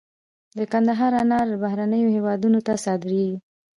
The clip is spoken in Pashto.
د کندهار انار بهرنیو هیوادونو ته صادریږي.